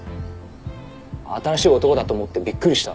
新しい男だと思ってびっくりした。